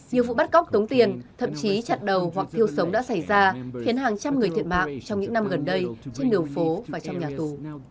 nhiều vụ bắt cóc tống tiền thậm chí chặn đầu hoặc thiêu sống đã xảy ra khiến hàng trăm người thiệt mạng trong những năm gần đây trên đường phố và trong nhà tù